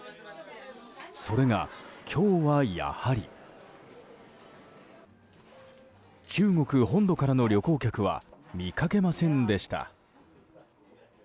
それが今日は、やはり中国本土からの旅行客は見かけませんでした。